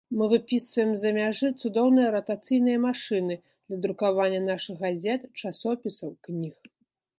Мы выпісваем з-за мяжы цудоўныя ратацыйныя машыны для друкавання нашых газет, часопісаў, кніг.